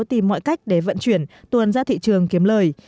tìm mọi cách để vận chuyển tuồn ra thị trường kiếm lời